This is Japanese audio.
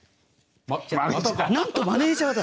なんとマネージャーだ！